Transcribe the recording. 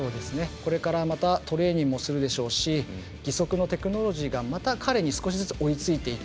これからまたトレーニングもするでしょうし義足のテクノロジーがまた彼に少しずつ追いついていく。